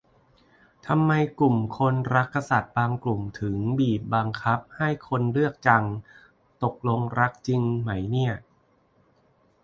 ทำไมกลุ่มคนรักกษัตริย์บางกลุ่มถึงบีบบังคับให้คนเลือกจัง ตกลงรักจริงไหมเนี่ย